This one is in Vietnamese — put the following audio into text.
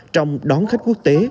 trong đón khách quốc tế